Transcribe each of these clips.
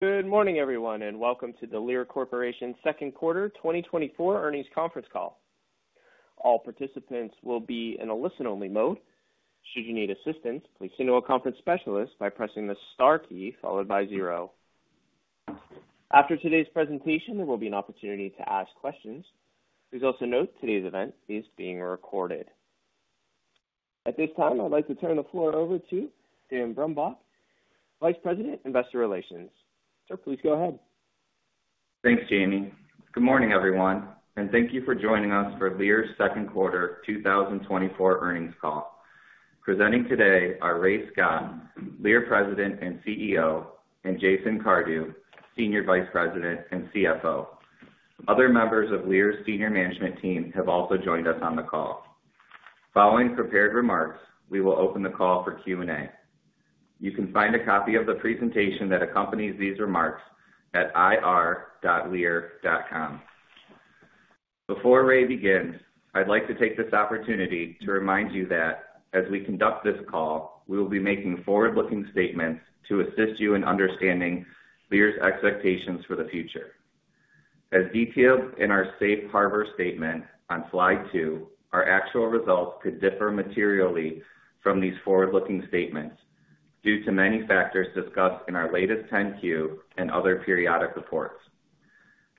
Good morning, everyone, and welcome to the Lear Corporation Second Quarter 2024 Earnings Conference Call. All participants will be in a listen-only mode. Should you need assistance, please signal a conference specialist by pressing the star key followed by zero. After today's presentation, there will be an opportunity to ask questions. Please also note today's event is being recorded. At this time, I'd like to turn the floor over to Dan Brumbaugh, Vice President, Investor Relations. Sir, please go ahead. Thanks, Jamie. Good morning, everyone, and thank you for joining us for Lear's second quarter 2024 earnings call. Presenting today are Ray Scott, Lear's President and CEO, and Jason Cardew, Senior Vice President and CFO. Other members of Lear's senior management team have also joined us on the call. Following prepared remarks, we will open the call for Q&A. You can find a copy of the presentation that accompanies these remarks at ir.lear.com. Before Ray begins, I'd like to take this opportunity to remind you that as we conduct this call, we will be making forward-looking statements to assist you in understanding Lear's expectations for the future. As detailed in our safe harbor statement on slide 2, our actual results could differ materially from these forward-looking statements due to many factors discussed in our latest 10-Q and other periodic reports.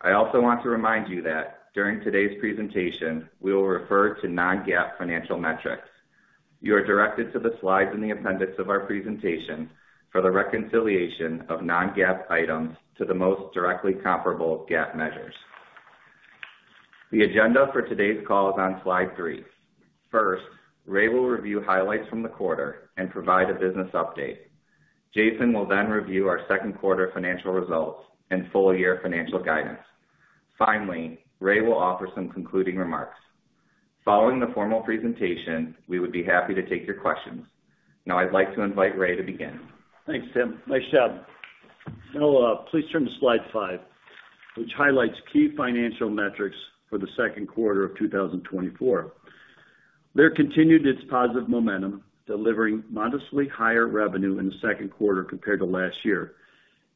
I also want to remind you that during today's presentation, we will refer to non-GAAP financial metrics. You are directed to the slides in the appendix of our presentation for the reconciliation of non-GAAP items to the most directly comparable GAAP measures. The agenda for today's call is on slide 3. First, Ray will review highlights from the quarter and provide a business update. Jason will then review our second quarter financial results and full-year financial guidance. Finally, Ray will offer some concluding remarks. Following the formal presentation, we would be happy to take your questions. Now, I'd like to invite Ray to begin. Thanks, Tim. Nice job. Now, please turn to slide 5, which highlights key financial metrics for the second quarter of 2024. Lear continued its positive momentum, delivering modestly higher revenue in the second quarter compared to last year,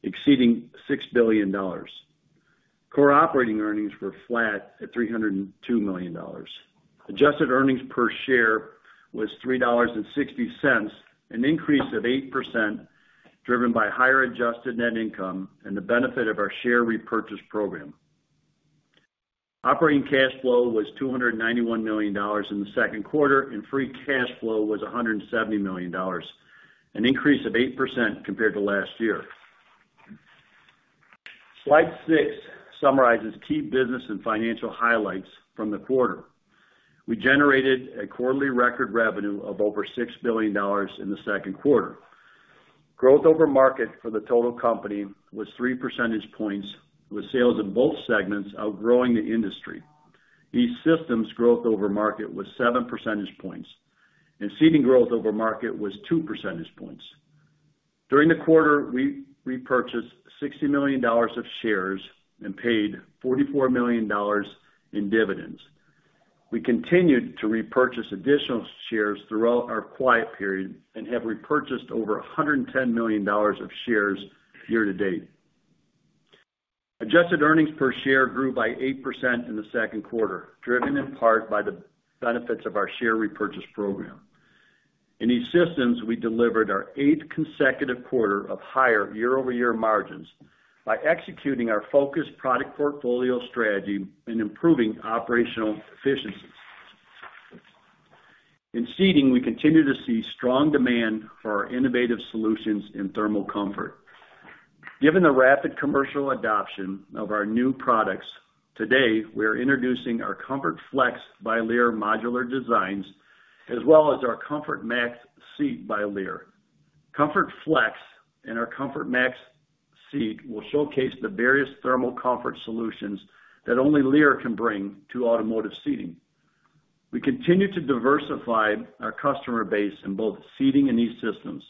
exceeding $6 billion. Core operating earnings were flat at $302 million. Adjusted earnings per share was $3.60, an increase of 8%, driven by higher adjusted net income and the benefit of our share repurchase program. Operating cash flow was $291 million in the second quarter, and free cash flow was $170 million, an increase of 8% compared to last year. Slide six summarizes key business and financial highlights from the quarter. We generated a quarterly record revenue of over $6 billion in the second quarter. Growth over market for the total company was three percentage points, with sales in both segments outgrowing the industry. E-Systems growth over market was seven percentage points, and Seating growth over market was two percentage points. During the quarter, we repurchased $60 million of shares and paid $44 million in dividends. We continued to repurchase additional shares throughout our quiet period and have repurchased over $110 million of shares year-to-date. Adjusted earnings per share grew by 8% in the second quarter, driven in part by the benefits of our share repurchase program. In E-Systems, we delivered our 8th consecutive quarter of higher year-over-year margins by executing our focused product portfolio strategy and improving operational efficiencies. In Seating, we continue to see strong demand for our innovative solutions in thermal comfort. Given the rapid commercial adoption of our new products, today, we are introducing our ComfortFlex by Lear modular designs, as well as our ComfortMax Seat by Lear. ComfortFlex and our ComfortMax Seat will showcase the various thermal comfort solutions that only Lear can bring to automotive seating. We continue to diversify our customer base in both Seating and E-Systems.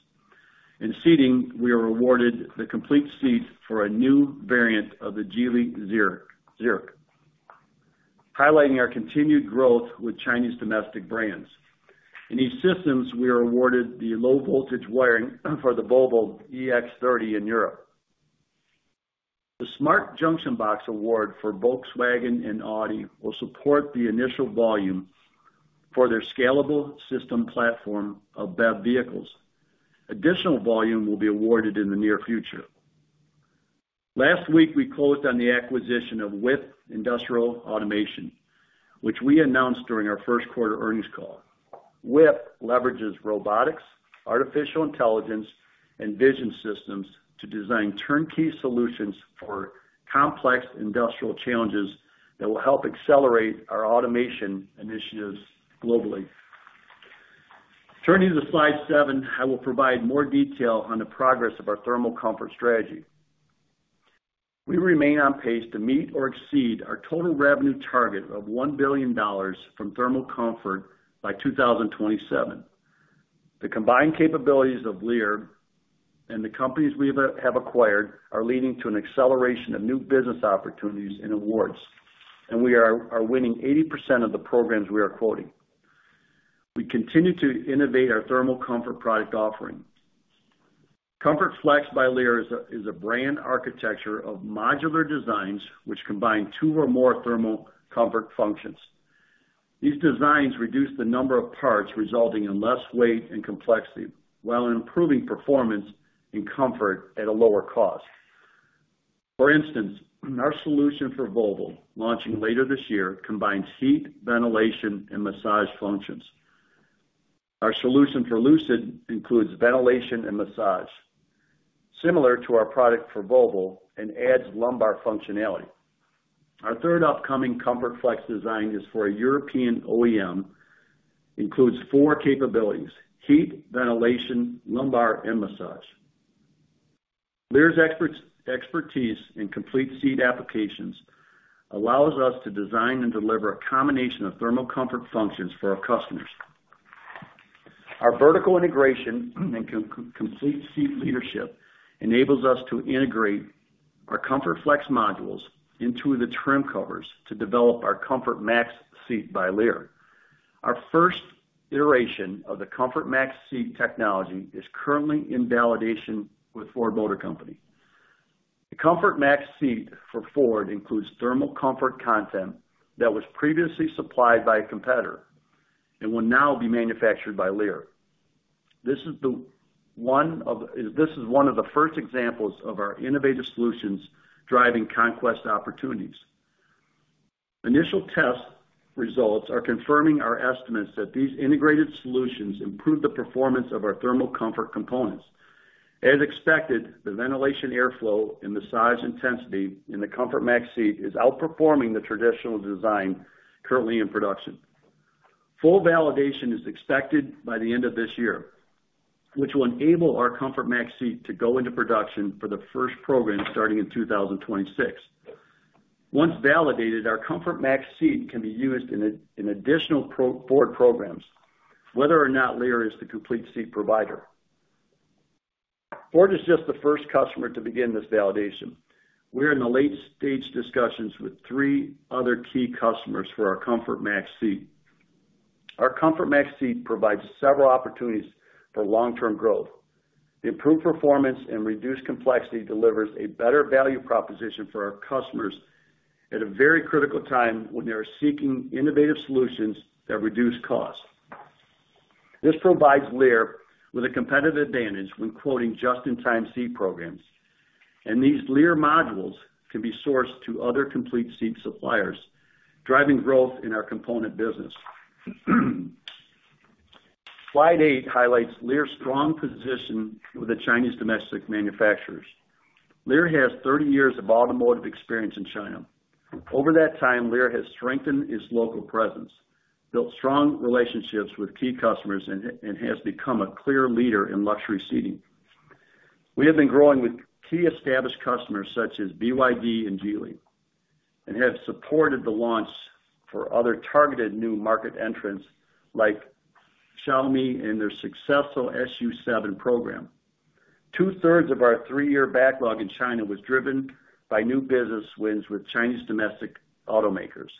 In Seating, we are awarded the complete seat for a new variant of the Geely Zeekr X, highlighting our continued growth with Chinese domestic brands. In E-Systems, we are awarded the low-voltage wiring for the Volvo EX30 in Europe. The Smart Junction Box award for Volkswagen and Audi will support the initial volume for their Scalable Systems Platform of BEV vehicles. Additional volume will be awarded in the near future. Last week, we closed on the acquisition of WIP Industrial Automation, which we announced during our first quarter earnings call. WIP leverages robotics, artificial intelligence, and vision systems to design turnkey solutions for complex industrial challenges that will help accelerate our automation initiatives globally. Turning to the slide 7, I will provide more detail on the progress of our thermal comfort strategy. We remain on pace to meet or exceed our total revenue target of $1 billion from thermal comfort by 2027. The combined capabilities of Lear and the companies we have acquired are leading to an acceleration of new business opportunities and awards, and we are winning 80% of the programs we are quoting. We continue to innovate our thermal comfort product offering. ComfortFlex by Lear is a brand architecture of modular designs, which combine two or more thermal comfort functions. These designs reduce the number of parts, resulting in less weight and complexity, while improving performance and comfort at a lower cost. For instance, our solution for Volvo, launching later this year, combines heat, ventilation, and massage functions. Our solution for Lucid includes ventilation and massage, similar to our product for Volvo, and adds lumbar functionality. Our third upcoming ComfortFlex design is for a European OEM, includes four capabilities: heat, ventilation, lumbar, and massage. Lear's expertise in complete seat applications allows us to design and deliver a combination of thermal comfort functions for our customers. Our vertical integration and complete seat leadership enables us to integrate our ComfortFlex modules into the trim covers to develop our ComfortMax Seat by Lear. Our first iteration of the ComfortMax Seat technology is currently in validation with Ford Motor Company. The ComfortMax Seat for Ford includes thermal comfort content that was previously supplied by a competitor and will now be manufactured by Lear. This is one of the first examples of our innovative solutions driving conquest opportunities. Initial test results are confirming our estimates that these integrated solutions improve the performance of our thermal comfort components. As expected, the ventilation airflow and massage intensity in the ComfortMax Seat is outperforming the traditional design currently in production. Full validation is expected by the end of this year, which will enable our ComfortMax Seat to go into production for the first program starting in 2026. Once validated, our ComfortMax Seat can be used in additional Ford programs, whether or not Lear is the complete seat provider. Ford is just the first customer to begin this validation. We're in the late-stage discussions with three other key customers for our ComfortMax Seat. Our ComfortMax Seat provides several opportunities for long-term growth. The improved performance and reduced complexity delivers a better value proposition for our customers at a very critical time when they are seeking innovative solutions that reduce cost. This provides Lear with a competitive advantage when quoting just-in-time seat programs, and these Lear modules can be sourced to other complete seat suppliers, driving growth in our component business. Slide eight highlights Lear's strong position with the Chinese domestic manufacturers. Lear has 30 years of automotive experience in China. Over that time, Lear has strengthened its local presence, built strong relationships with key customers, and has become a clear leader in luxury seating. We have been growing with key established customers, such as BYD and Geely, and have supported the launch for other targeted new market entrants, like Xiaomi and their successful SU7 program. Two-thirds of our three-year backlog in China was driven by new business wins with Chinese domestic automakers,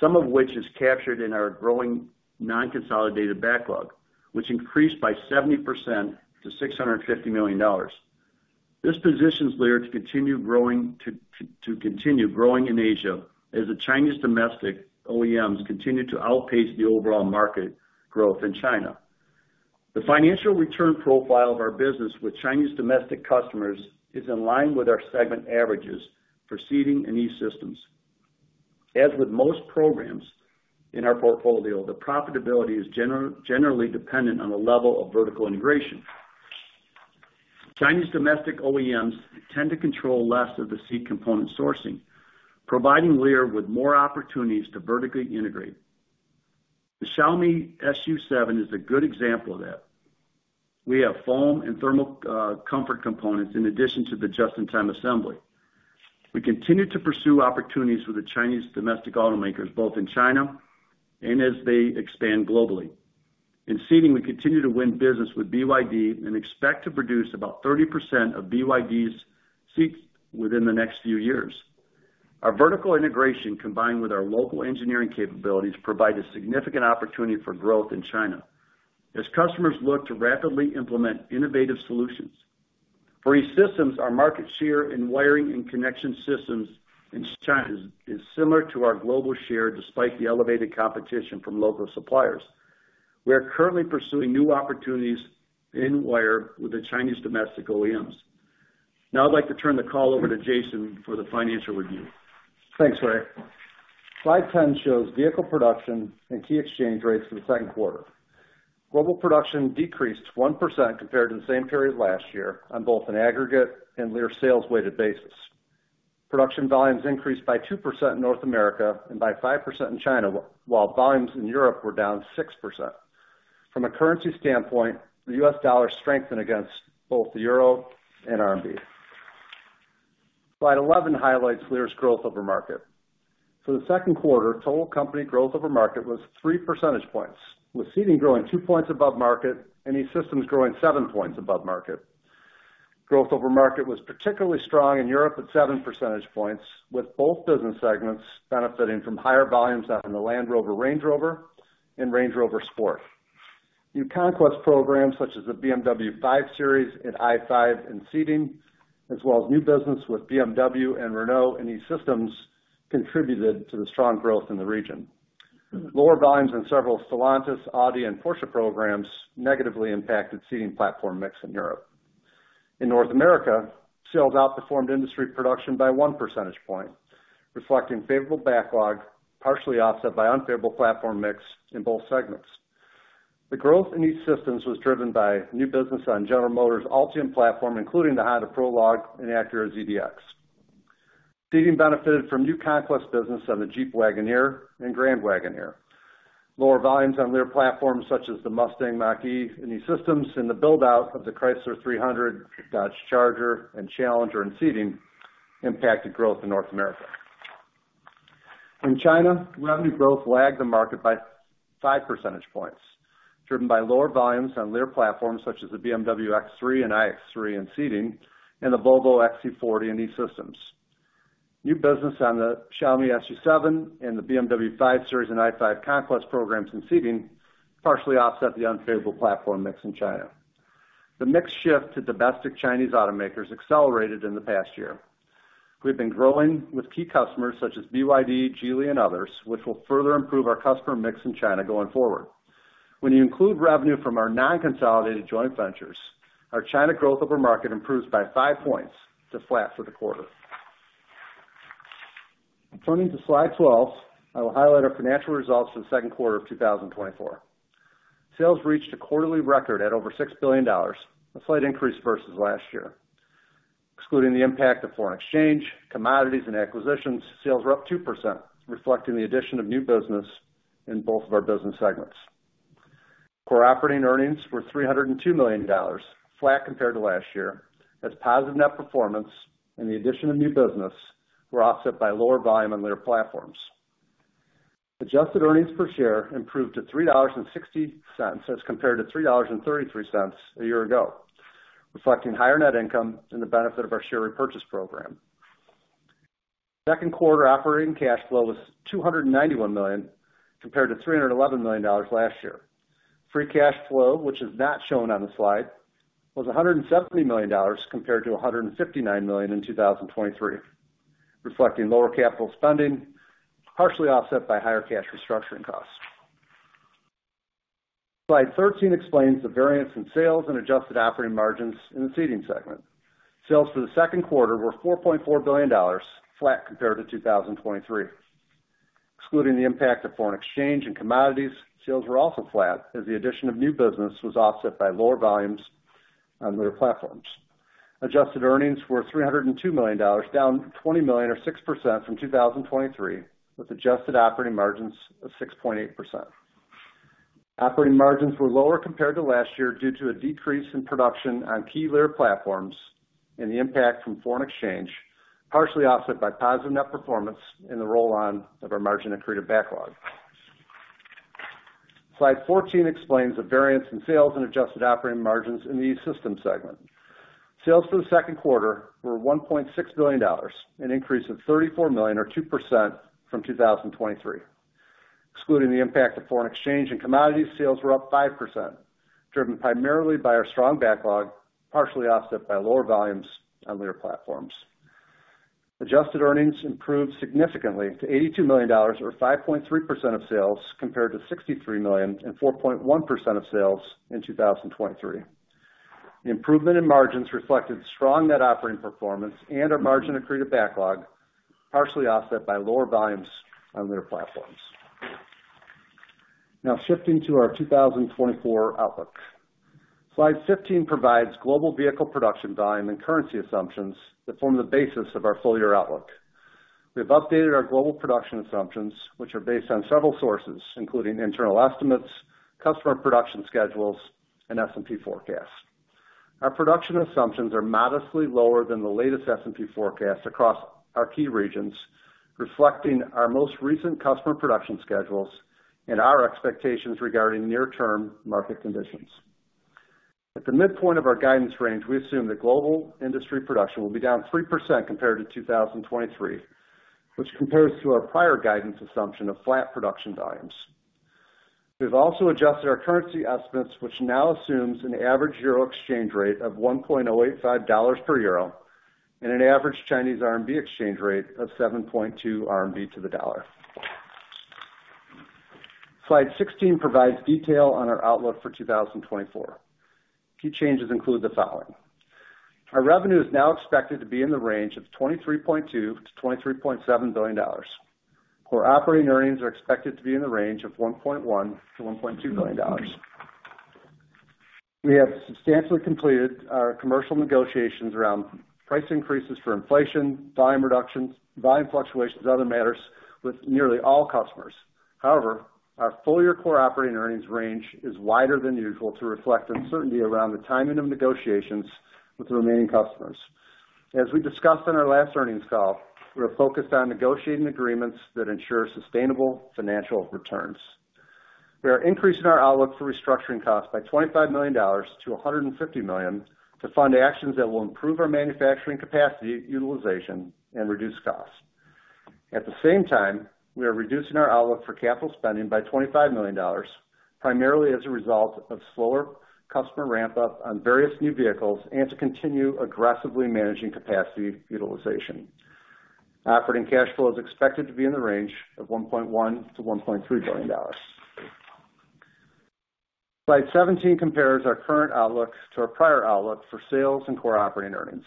some of which is captured in our growing non-consolidated backlog, which increased by 70% to $650 million. This positions Lear to continue growing in Asia as the Chinese domestic OEMs continue to outpace the overall market growth in China. The financial return profile of our business with Chinese domestic customers is in line with our segment averages for seating and E-Systems. As with most programs in our portfolio, the profitability is generally dependent on the level of vertical integration. Chinese domestic OEMs tend to control less of the seat component sourcing, providing Lear with more opportunities to vertically integrate. The Xiaomi SU7 is a good example of that. We have foam and thermal comfort components in addition to the just-in-time assembly. We continue to pursue opportunities with the Chinese domestic automakers, both in China and as they expand globally. In seating, we continue to win business with BYD and expect to produce about 30% of BYD's seats within the next few years. Our vertical integration, combined with our local engineering capabilities, provide a significant opportunity for growth in China as customers look to rapidly implement innovative solutions. For E-Systems, our market share in wiring and connection systems in China is similar to our global share, despite the elevated competition from local suppliers. We are currently pursuing new opportunities in wire with the Chinese domestic OEMs. Now, I'd like to turn the call over to Jason for the financial review. Thanks, Ray. Slide 10 shows vehicle production and key exchange rates for the second quarter. Global production decreased 1% compared to the same period last year on both an aggregate and Lear sales weighted basis. Production volumes increased by 2% in North America and by 5% in China, while volumes in Europe were down 6%. From a currency standpoint, the U.S. dollar strengthened against both the euro and RMB. Slide 11 highlights Lear's growth over market. For the second quarter, total company growth over market was three percentage points, with seating growing two points above market and E-Systems growing seven points above market.... Growth over market was particularly strong in Europe at seven percentage points, with both business segments benefiting from higher volumes out in the Land Rover, Range Rover and Range Rover Sport. New conquest programs, such as the BMW 5 Series and i5 in Seating, as well as new business with BMW and Renault in E-Systems, contributed to the strong growth in the region. Lower volumes in several Stellantis, Audi, and Porsche programs negatively impacted Seating platform mix in Europe. In North America, sales outperformed industry production by one percentage point, reflecting favorable backlog, partially offset by unfavorable platform mix in both segments. The growth in E-Systems was driven by new business on General Motors' Ultium platform, including the Honda Prologue and Acura ZDX. Seating benefited from new conquest business on the Jeep Wagoneer and Grand Wagoneer. Lower volumes on Lear platforms, such as the Mustang Mach-E in E-Systems, and the build-out of the Chrysler 300, Dodge Charger and Challenger, and Seating, impacted growth in North America. In China, revenue growth lagged the market by five percentage points, driven by lower volumes on Lear platforms, such as the BMW X3 and iX3 in seating and the Volvo XC40 in E-Systems. New business on the Xiaomi SU7 and the BMW 5 Series and i5 conquest programs in seating, partially offset the unfavorable platform mix in China. The mix shift to domestic Chinese automakers accelerated in the past year. We've been growing with key customers such as BYD, Geely, and others, which will further improve our customer mix in China going forward. When you include revenue from our non-consolidated joint ventures, our China growth over market improves by five points to flat for the quarter. Turning to Slide 12, I will highlight our financial results for the second quarter of 2024. Sales reached a quarterly record at over $6 billion, a slight increase versus last year. Excluding the impact of foreign exchange, commodities, and acquisitions, sales were up 2%, reflecting the addition of new business in both of our business segments. Core operating earnings were $302 million, flat compared to last year, as positive net performance and the addition of new business were offset by lower volume on Lear platforms. Adjusted earnings per share improved to $3.60 as compared to $3.33 a year ago, reflecting higher net income and the benefit of our share repurchase program. Second quarter operating cash flow was $291 million, compared to $311 million last year. Free cash flow, which is not shown on the slide, was $170 million, compared to $159 million in 2023, reflecting lower capital spending, partially offset by higher cash restructuring costs. Slide 13 explains the variance in sales and adjusted operating margins in the seating segment. Sales for the second quarter were $4.4 billion, flat compared to 2023. Excluding the impact of foreign exchange and commodities, sales were also flat as the addition of new business was offset by lower volumes on Lear platforms. Adjusted earnings were $302 million, down $20 million or 6% from 2023, with adjusted operating margins of 6.8%. Operating margins were lower compared to last year due to a decrease in production on key Lear platforms and the impact from foreign exchange, partially offset by positive net performance in the roll-on of our margin accretive backlog. Slide 14 explains the variance in sales and adjusted operating margins in the E-Systems segment. Sales for the second quarter were $1.6 billion, an increase of $34 million or 2% from 2023. Excluding the impact of foreign exchange and commodity, sales were up 5%, driven primarily by our strong backlog, partially offset by lower volumes on Lear platforms. Adjusted earnings improved significantly to $82 million or 5.3% of sales, compared to $63 million and 4.1% of sales in 2023. The improvement in margins reflected strong net operating performance and our margin accretive backlog, partially offset by lower volumes on Lear platforms. Now, shifting to our 2024 outlook. Slide 15 provides global vehicle production volume and currency assumptions that form the basis of our full-year outlook. We've updated our global production assumptions, which are based on several sources, including internal estimates, customer production schedules, and S&P forecasts. Our production assumptions are modestly lower than the latest S&P forecast across our key regions, reflecting our most recent customer production schedules and our expectations regarding near-term market conditions. At the midpoint of our guidance range, we assume that global industry production will be down 3% compared to 2023, which compares to our prior guidance assumption of flat production volumes. We've also adjusted our currency estimates, which now assumes an average euro exchange rate of $1.85 per euro and an average Chinese RMB exchange rate of 7.2 RMB to the dollar. Slide 16 provides detail on our outlook for 2024. Key changes include the following: Our revenue is now expected to be in the range of $23.2 billion-$23.7 billion. Core operating earnings are expected to be in the range of $1.1 billion-$1.2 billion. We have substantially completed our commercial negotiations around price increases for inflation, volume reductions, volume fluctuations, and other matters with nearly all customers. However, our full-year core operating earnings range is wider than usual to reflect uncertainty around the timing of negotiations with the remaining customers. As we discussed in our last earnings call, we are focused on negotiating agreements that ensure sustainable financial returns. We are increasing our outlook for restructuring costs by $25 million to $150 million to fund actions that will improve our manufacturing capacity, utilization, and reduce costs. At the same time, we are reducing our outlook for capital spending by $25 million, primarily as a result of slower customer ramp-up on various new vehicles and to continue aggressively managing capacity utilization. Operating cash flow is expected to be in the range of $1.1 billion-$1.3 billion. Slide 17 compares our current outlook to our prior outlook for sales and core operating earnings.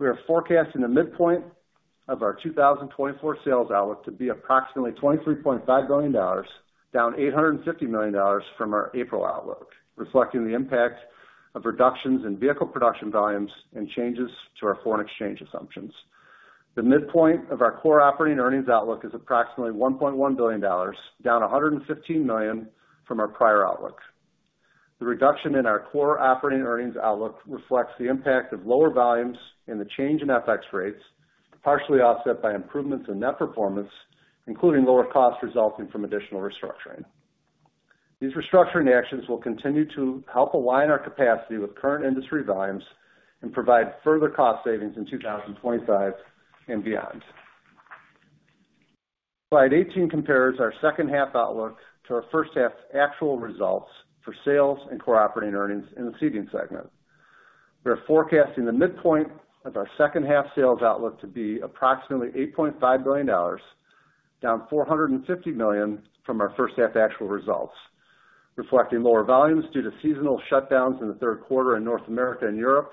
We are forecasting the midpoint of our 2024 sales outlook to be approximately $23.5 billion, down $850 million from our April outlook, reflecting the impact of reductions in vehicle production volumes and changes to our foreign exchange assumptions. The midpoint of our core operating earnings outlook is approximately $1.1 billion, down $115 million from our prior outlook. The reduction in our core operating earnings outlook reflects the impact of lower volumes and the change in FX rates, partially offset by improvements in net performance, including lower costs resulting from additional restructuring. These restructuring actions will continue to help align our capacity with current industry volumes and provide further cost savings in 2025 and beyond. Slide 18 compares our second half outlook to our first half actual results for sales and Core Operating Earnings in the Seating segment. We are forecasting the midpoint of our second half sales outlook to be approximately $8.5 billion, down $450 million from our first half actual results, reflecting lower volumes due to seasonal shutdowns in the third quarter in North America and Europe,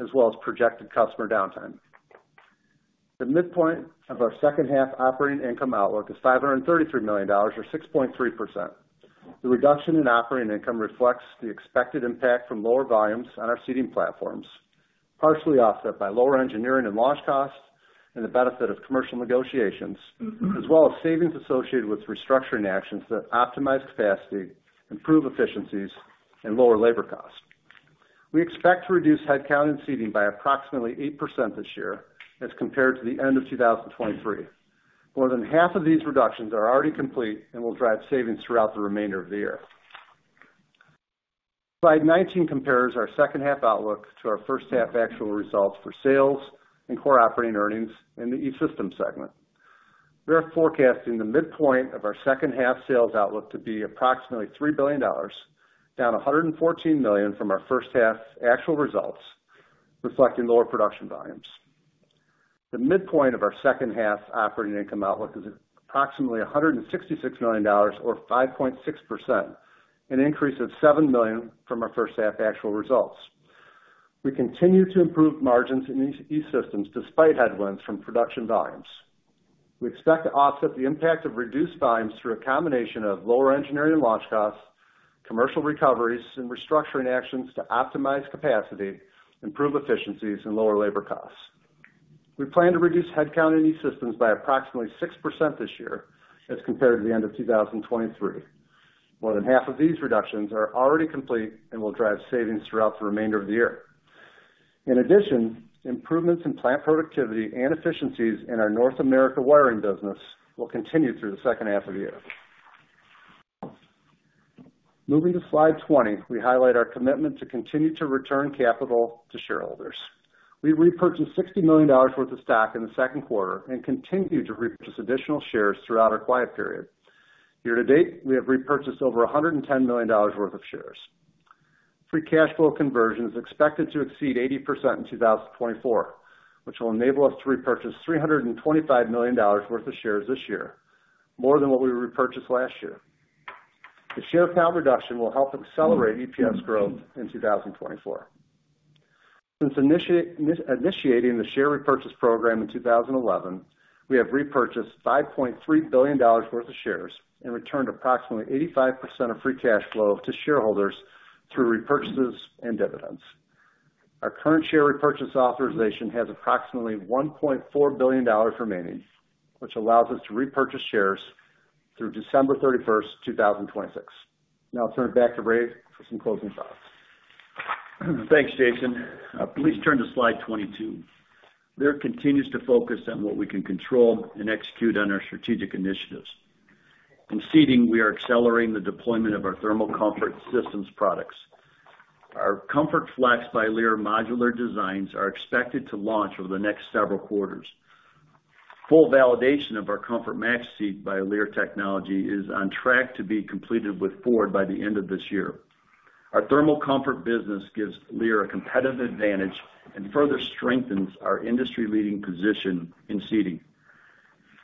as well as projected customer downtime. The midpoint of our second half operating income outlook is $533 million, or 6.3%. The reduction in operating income reflects the expected impact from lower volumes on our Seating platforms, partially offset by lower engineering and launch costs and the benefit of commercial negotiations, as well as savings associated with restructuring actions that optimize capacity, improve efficiencies, and lower labor costs. We expect to reduce headcount in Seating by approximately 8% this year as compared to the end of 2023. More than half of these reductions are already complete and will drive savings throughout the remainder of the year. Slide 19 compares our second half outlook to our first half actual results for sales and core operating earnings in the E-Systems segment. We are forecasting the midpoint of our second half sales outlook to be approximately $3 billion, down $114 million from our first half actual results, reflecting lower production volumes. The midpoint of our second half operating income outlook is approximately $166 million or 5.6%, an increase of $7 million from our first half actual results. We continue to improve margins in E-Systems despite headwinds from production volumes. We expect to offset the impact of reduced volumes through a combination of lower engineering and launch costs, commercial recoveries, and restructuring actions to optimize capacity, improve efficiencies, and lower labor costs. We plan to reduce headcount in E-Systems by approximately 6% this year as compared to the end of 2023. More than half of these reductions are already complete and will drive savings throughout the remainder of the year. In addition, improvements in plant productivity and efficiencies in our North America wiring business will continue through the second half of the year. Moving to slide 20, we highlight our commitment to continue to return capital to shareholders. We repurchased $60 million worth of stock in the second quarter and continue to repurchase additional shares throughout our quiet period. Year to date, we have repurchased over $110 million worth of shares. Free cash flow conversion is expected to exceed 80% in 2024, which will enable us to repurchase $325 million worth of shares this year, more than what we repurchased last year. The share count reduction will help accelerate EPS growth in 2024. Since initiating the share repurchase program in 2011, we have repurchased $5.3 billion worth of shares and returned approximately 85% of free cash flow to shareholders through repurchases and dividends. Our current share repurchase authorization has approximately $1.4 billion remaining, which allows us to repurchase shares through December 31st, 2026. Now I'll turn it back to Ray for some closing thoughts. Thanks, Jason. Please turn to slide 22. Lear continues to focus on what we can control and execute on our strategic initiatives. In seating, we are accelerating the deployment of our thermal comfort systems products. Our ComfortFlex by Lear modular designs are expected to launch over the next several quarters. Full validation of our ComfortMax Seat by Lear technology is on track to be completed with Ford by the end of this year. Our thermal comfort business gives Lear a competitive advantage and further strengthens our industry-leading position in seating.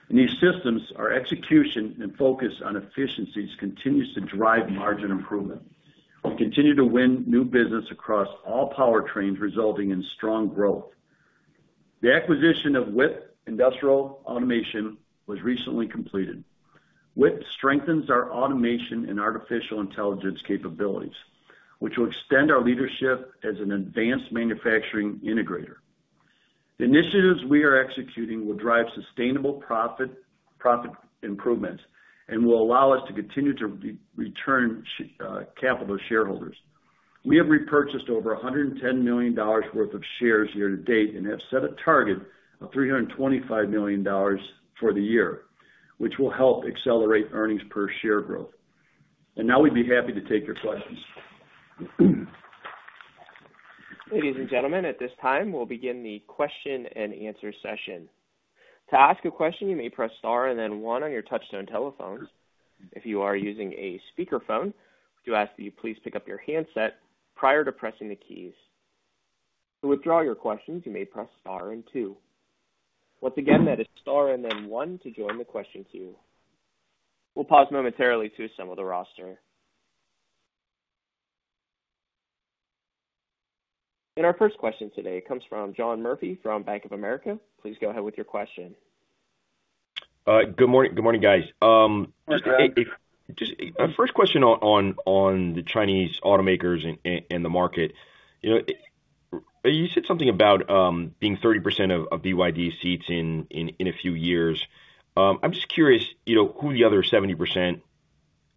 In E-Systems, our execution and focus on efficiencies continues to drive margin improvement. We continue to win new business across all powertrains, resulting in strong growth. The acquisition of WIP Industrial Automation was recently completed. WIP strengthens our automation and artificial intelligence capabilities, which will extend our leadership as an advanced manufacturing integrator. The initiatives we are executing will drive sustainable profit, profit improvements and will allow us to continue to return capital to shareholders. ...We have repurchased over $110 million worth of shares year to date, and have set a target of $325 million for the year, which will help accelerate earnings per share growth. Now we'd be happy to take your questions. Ladies and gentlemen, at this time, we'll begin the question and answer session. To ask a question, you may press star and then one on your touchtone telephones. If you are using a speakerphone, we do ask that you please pick up your handset prior to pressing the keys. To withdraw your questions, you may press star and two. Once again, that is star and then one to join the question queue. We'll pause momentarily to assemble the roster. Our first question today comes from John Murphy from Bank of America. Please go ahead with your question. Good morning, good morning, guys. Good morning. Just, first question on the Chinese automakers and the market. You know, you said something about being 30% of BYD's seats in a few years. I'm just curious, you know, who the other 70%, you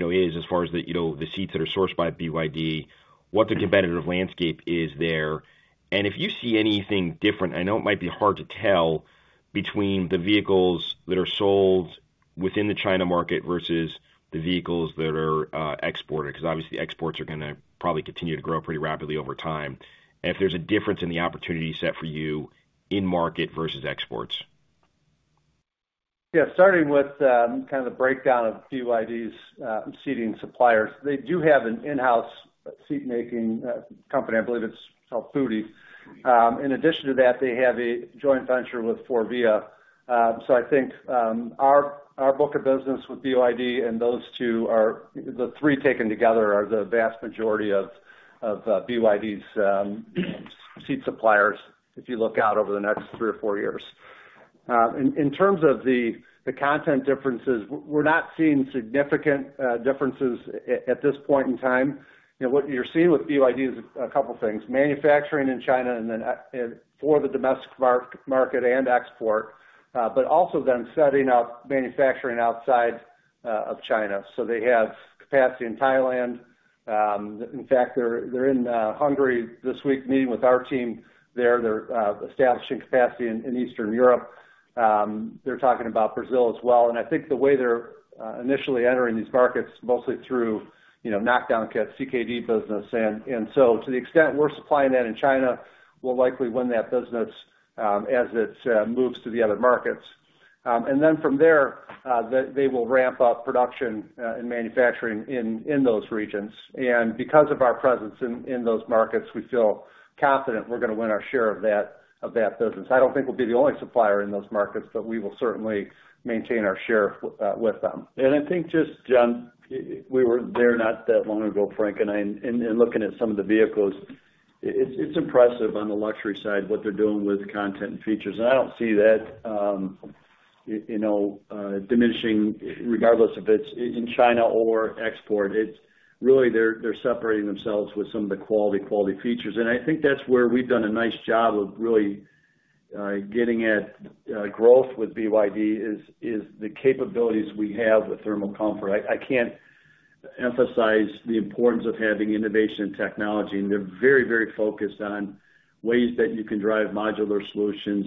know, is, as far as the, you know, the seats that are sourced by BYD, what the competitive landscape is there, and if you see anything different, I know it might be hard to tell, between the vehicles that are sold within the China market versus the vehicles that are exported. Because obviously, exports are going to probably continue to grow pretty rapidly over time, and if there's a difference in the opportunity set for you in market versus exports. Yeah, starting with, kind of the breakdown of BYD's seating suppliers. They do have an in-house seat-making company. I believe it's called FinDreams. In addition to that, they have a joint venture with FORVIA. So I think, our book of business with BYD and those two, the three taken together, are the vast majority of BYD's seat suppliers, if you look out over the next three or four years. In terms of the content differences, we're not seeing significant differences at this point in time. You know, what you're seeing with BYD is a couple things: manufacturing in China and then for the domestic market and export, but also them setting up manufacturing outside of China. So they have capacity in Thailand. In fact, they're in Hungary this week, meeting with our team there. They're establishing capacity in Eastern Europe. They're talking about Brazil as well. And I think the way they're initially entering these markets, mostly through, you know, knockdown kits, CKD business. And so to the extent we're supplying that in China, we'll likely win that business, as it moves to the other markets. And then from there, they will ramp up production and manufacturing in those regions. And because of our presence in those markets, we feel confident we're going to win our share of that business. I don't think we'll be the only supplier in those markets, but we will certainly maintain our share with them. I think just, John, we were there not that long ago, Frank and I, and looking at some of the vehicles, it's impressive on the luxury side, what they're doing with content and features. And I don't see that, you know, diminishing, regardless if it's in China or export. It's really, they're separating themselves with some of the quality features. And I think that's where we've done a nice job of really getting at growth with BYD, is the capabilities we have with thermal comfort. I can't emphasize the importance of having innovation and technology, and they're very, very focused on ways that you can drive modular solutions,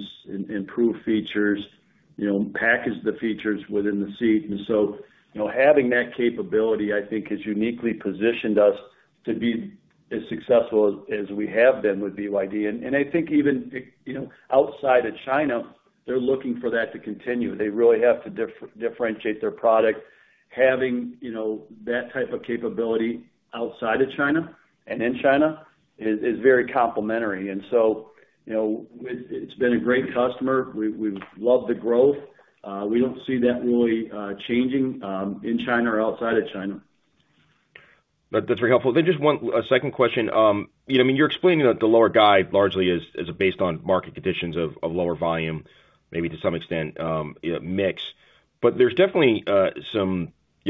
improve features, you know, package the features within the seat. And so, you know, having that capability, I think, has uniquely positioned us to be as successful as we have been with BYD. And I think even, you know, outside of China, they're looking for that to continue. They really have to differentiate their product. Having, you know, that type of capability outside of China and in China is very complementary. And so, you know, it, it's been a great customer. We, we've loved the growth. We don't see that really changing in China or outside of China. That, that's very helpful. Then just one second question. You know, I mean, you're explaining that the lower guide largely is based on market conditions of lower volume, maybe to some extent, you know, mix. But there's definitely some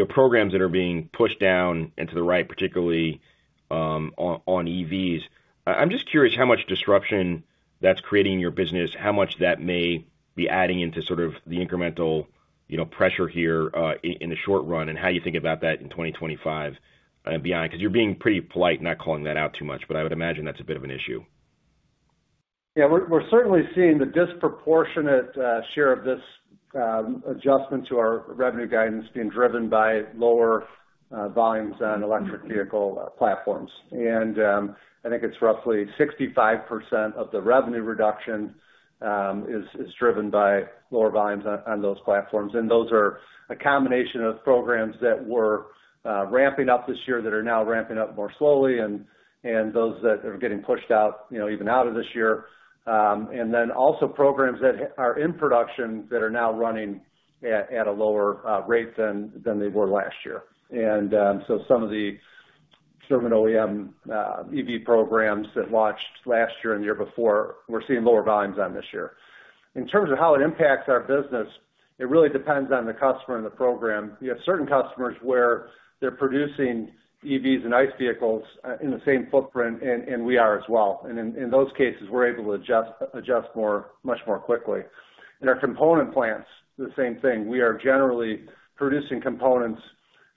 programs that are being pushed down and to the right, particularly on EVs. I'm just curious how much disruption that's creating in your business, how much that may be adding into sort of the incremental pressure here in the short run, and how you think about that in 2025 and beyond. Because you're being pretty polite, not calling that out too much, but I would imagine that's a bit of an issue. Yeah. We're certainly seeing the disproportionate share of this adjustment to our revenue guidance being driven by lower volumes on electric vehicle platforms. And I think it's roughly 65% of the revenue reduction is driven by lower volumes on those platforms. And those are a combination of programs that were ramping up this year, that are now ramping up more slowly, and those that are getting pushed out, you know, even out of this year. And then also programs that are in production that are now running at a lower rate than they were last year. And so some of the certain OEM EV programs that launched last year and the year before, we're seeing lower volumes on this year. In terms of how it impacts our business, it really depends on the customer and the program. You have certain customers where they're producing EVs and ICE vehicles in the same footprint, and we are as well. In those cases, we're able to adjust more much more quickly. In our component plants, the same thing. We are generally producing components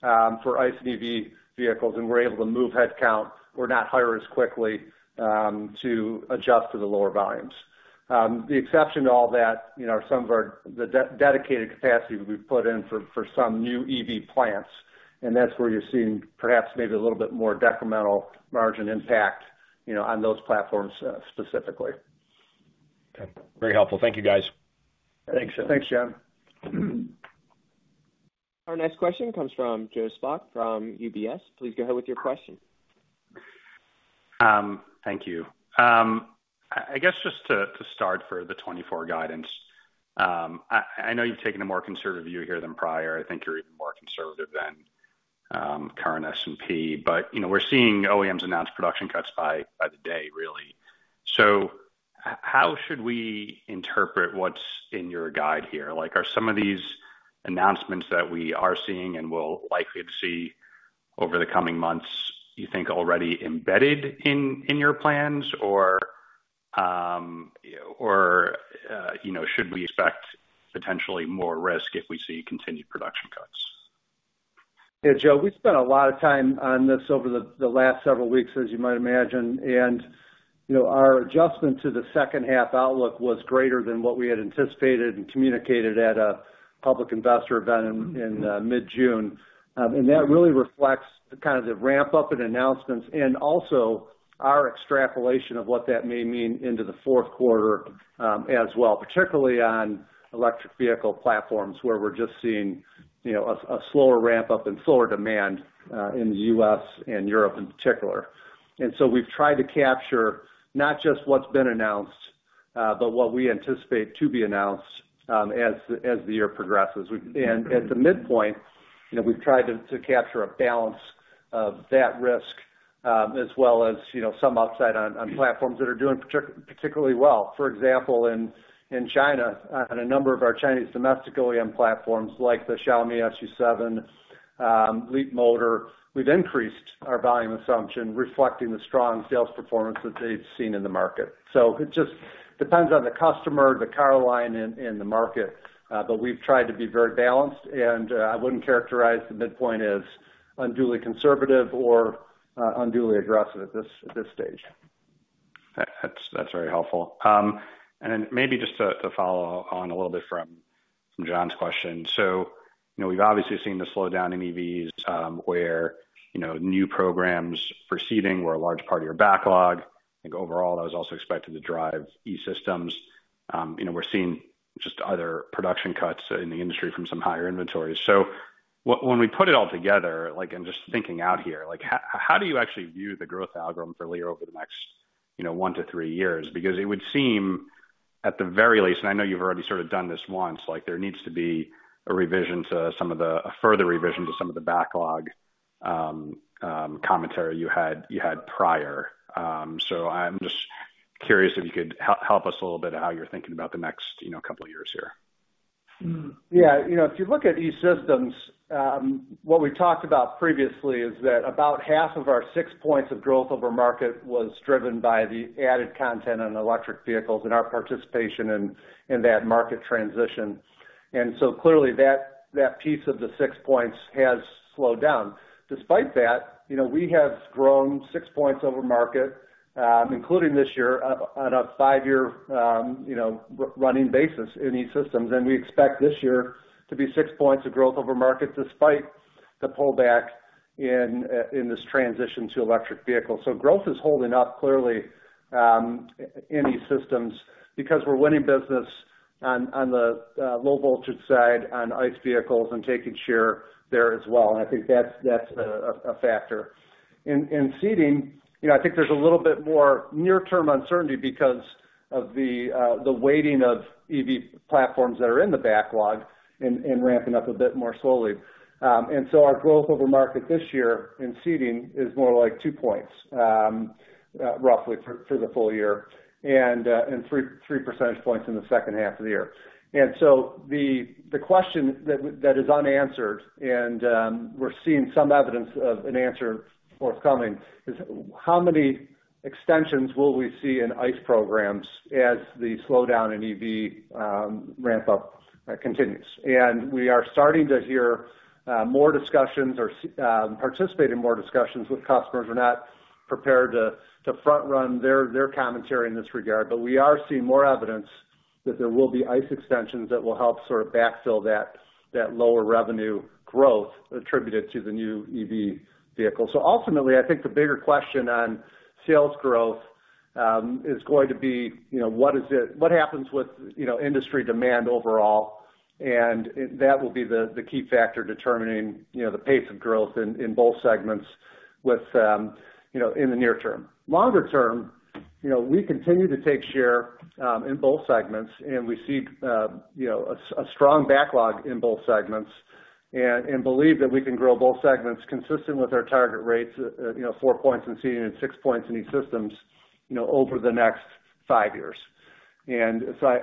for ICE and EV vehicles, and we're able to move headcount or not hire as quickly to adjust to the lower volumes. The exception to all that, you know, are some of our dedicated capacity we've put in for some new EV plants, and that's where you're seeing perhaps maybe a little bit more detrimental margin impact, you know, on those platforms, specifically. Okay, very helpful. Thank you, guys. Thanks, John. Thanks, John. Our next question comes from Joe Spak from UBS. Please go ahead with your question. Thank you. I guess just to start for the 2024 guidance, I know you've taken a more conservative view here than prior. I think you're even more conservative than current S&P, but you know we're seeing OEMs announce production cuts by the day really. So how should we interpret what's in your guide here? Like are some of these announcements that we are seeing and will likely to see over the coming months you think already embedded in your plans? Or you know or you know should we expect potentially more risk if we see continued production cuts? Yeah, Joe, we've spent a lot of time on this over the last several weeks, as you might imagine, and, you know, our adjustment to the second half outlook was greater than what we had anticipated and communicated at a public investor event in mid-June. And that really reflects the kind of the ramp-up in announcements and also our extrapolation of what that may mean into the fourth quarter, as well, particularly on electric vehicle platforms, where we're just seeing, you know, a slower ramp-up and slower demand in the U.S. and Europe in particular. And so we've tried to capture not just what's been announced, but what we anticipate to be announced, as the year progresses. And at the midpoint, you know, we've tried to capture a balance of that risk, as well as, you know, some upside on platforms that are doing particularly well. For example, in China, on a number of our Chinese domestic OEM platforms, like the Xiaomi SU7, Leapmotor, we've increased our volume assumption, reflecting the strong sales performance that they've seen in the market. So it just depends on the customer, the car line, and the market, but we've tried to be very balanced, and I wouldn't characterize the midpoint as unduly conservative or unduly aggressive at this stage. That's very helpful. And then maybe just to follow on a little bit from John's question. So, you know, we've obviously seen the slowdown in EVs, where, you know, new programs proceeding were a large part of your backlog. I think overall, that was also expected to drive E-Systems. You know, we're seeing just other production cuts in the industry from some higher inventories. So when we put it all together, like, and just thinking out here, like, how do you actually view the growth algorithm for Lear over the next, you know, one to three years? Because it would seem, at the very least, and I know you've already sort of done this once, like, there needs to be a revision to some of the... A further revision to some of the backlog commentary you had, you had prior. So I'm just curious if you could help us a little bit on how you're thinking about the next, you know, couple of years here. Yeah. You know, if you look at E-Systems, what we talked about previously is that about half of our six points of growth over market was driven by the added content on electric vehicles and our participation in that market transition. And so clearly, that piece of the six points has slowed down. Despite that, you know, we have grown six points over market, including this year, on a five-year, you know, running basis in E-Systems. And we expect this year to be six points of growth over market, despite the pullback in this transition to electric vehicles. So growth is holding up clearly in E-Systems because we're winning business on the low voltage side, on ICE vehicles and taking share there as well, and I think that's a factor. In seating, you know, I think there's a little bit more near-term uncertainty because of the weighting of EV platforms that are in the backlog and ramping up a bit more slowly. And so our growth over market this year in seating is more like two points, roughly for the full year, and three percentage points in the second half of the year. And so the question that is unanswered, and we're seeing some evidence of an answer forthcoming, is how many extensions will we see in ICE programs as the slowdown in EV ramp up continues? And we are starting to hear more discussions or participate in more discussions with customers. We're not prepared to front-run their commentary in this regard, but we are seeing more evidence that there will be ICE extensions that will help sort of backfill that lower revenue growth attributed to the new EV vehicles. So ultimately, I think the bigger question on sales growth is going to be, you know, what happens with, you know, industry demand overall. And that will be the key factor determining, you know, the pace of growth in both segments with, you know, in the near term. Longer term, you know, we continue to take share in both segments, and we see, you know, a strong backlog in both segments and believe that we can grow both segments consistent with our target rates, you know, four points in Seating and six points in E-Systems, you know, over the next five years. And so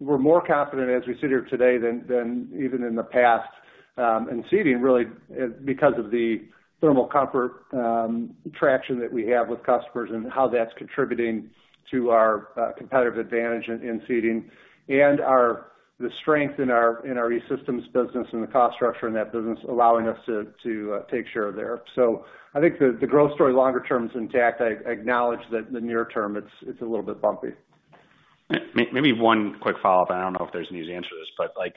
we're more confident as we sit here today than even in the past in Seating, really, because of the thermal comfort traction that we have with customers and how that's contributing to our competitive advantage in Seating, and the strength in our E-Systems business and the cost structure in that business, allowing us to take share there. So I think the growth story, longer term, is intact. I acknowledge that the near term, it's a little bit bumpy. Maybe one quick follow-up, and I don't know if there's an easy answer to this, but like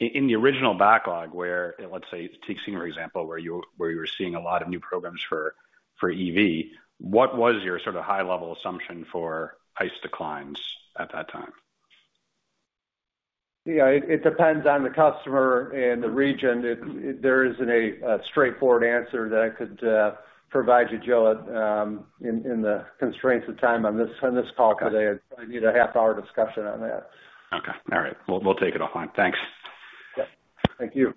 in the original backlog, where, let's say, taking your example, where you were seeing a lot of new programs for EV, what was your sort of high-level assumption for price declines at that time? Yeah, it depends on the customer and the region. There isn't a straightforward answer that I could provide you, Joe, in the constraints of time on this call today. I'd probably need a half-hour discussion on that. Okay. All right. We'll, we'll take it offline. Thanks. Yep. Thank you.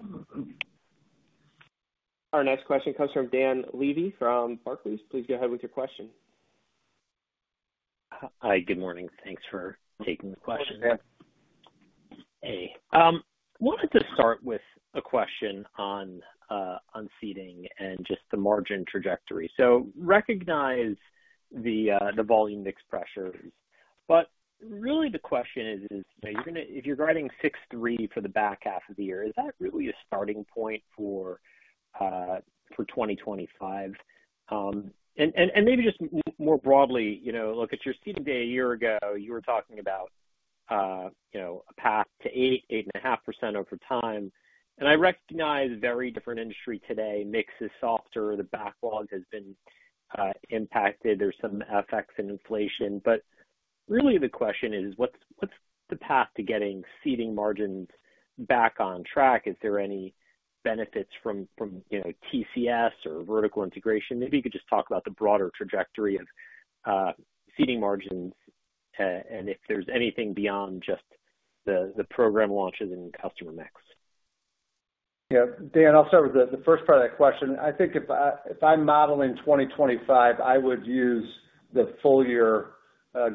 Our next question comes from Dan Levy, from Barclays. Please go ahead with your question. Hi, good morning. Thanks for taking the question. Good morning, Dan. Hey, wanted to start with a question on seating and just the margin trajectory. So recognize the volume mix pressures. But really, the question is, you know, you're gonna if you're guiding 6.3 for the back half of the year, is that really a starting point for 2025? And maybe just more broadly, you know, look, at your seating day a year ago, you were talking about, you know, a path to 8, 8.5% over time. And I recognize very different industry today. Mix is softer, the backlog has been impacted. There's some effects in inflation. But really, the question is: What's the path to getting seating margins back on track? Is there any benefits from, you know, TCS or vertical integration? Maybe you could just talk about the broader trajectory of seating margins, and if there's anything beyond just the program launches and customer mix? Yeah, Dan, I'll start with the first part of that question. I think if I'm modeling 2025, I would use the full year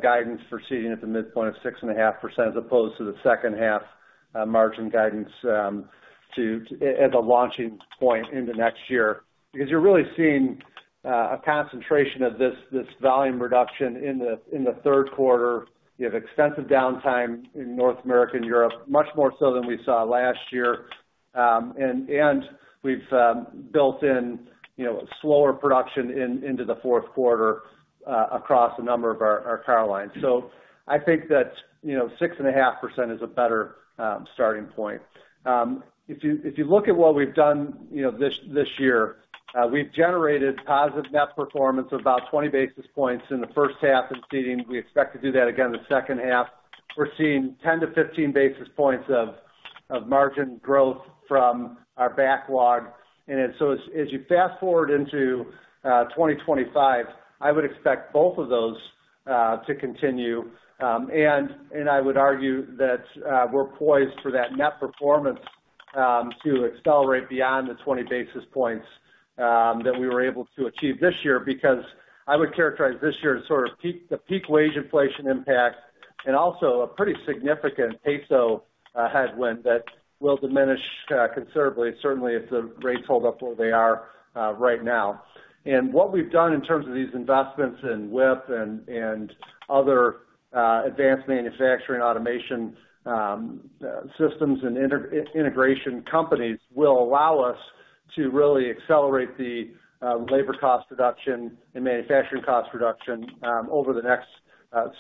guidance for seating at the midpoint of 6.5%, as opposed to the second half margin guidance at the launching point into next year. Because you're really seeing a concentration of this volume reduction in the third quarter. You have extensive downtime in North America and Europe, much more so than we saw last year. And we've built in, you know, slower production into the fourth quarter across a number of our power lines. So I think that, you know, 6.5% is a better starting point. If you look at what we've done, you know, this year, we've generated positive net performance of about 20 basis points in the first half of seating. We expect to do that again in the second half. We're seeing 10-15 basis points of margin growth from our backlog. And so as you fast forward into 2025, I would expect both of those to continue. And I would argue that we're poised for that net performance to accelerate beyond the 20 basis points that we were able to achieve this year, because I would characterize this year as sort of peak wage inflation impact, and also a pretty significant peso headwind that will diminish considerably, certainly if the rates hold up where they are right now. And what we've done in terms of these investments in WIP and other advanced manufacturing automation systems and integration companies will allow us to really accelerate the labor cost reduction and manufacturing cost reduction over the next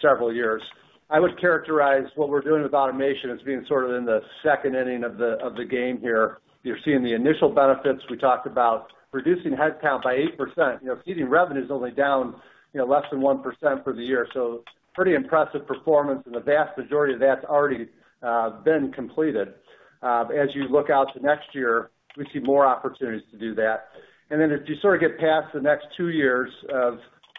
several years. I would characterize what we're doing with automation as being sort of in the second inning of the game here. You're seeing the initial benefits. We talked about reducing headcount by 8%. You know, seating revenue is only down, you know, less than 1% for the year, so pretty impressive performance, and the vast majority of that's already been completed. As you look out to next year, we see more opportunities to do that. Then as you sort of get past the next two years of,